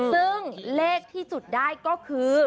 ซึ่งเลขที่จุดได้ก็คือ